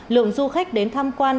lượng du khách đến tham quan